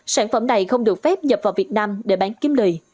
sản phẩm này không được phép nhập vào việt nam để bán kiếm lời